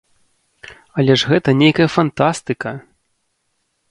Але ж гэта нейкая фантастыка!